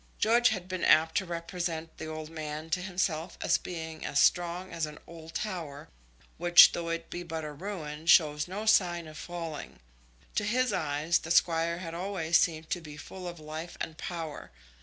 George had been apt to represent the old man to himself as being as strong as an old tower, which, though it be but a ruin, shows no sign of falling. To his eyes the Squire had always seemed to be full of life and power.